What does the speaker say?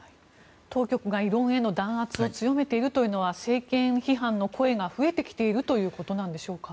当局が異論への弾圧を強めているというのは政権批判の声が増えてきているということでしょうか？